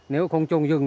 nếu không trồng rừng